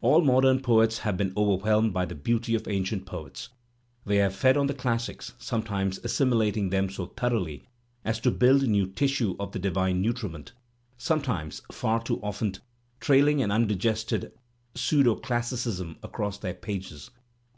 All modem poets have been overwhelmed by the beauty of ancient poets; they have fed on the classics, sometimes assimilating them so thoroughly as to build new tissue of the divine nutriment, sometimes, far too often, trailing an undigested pseudo classicism across their pages.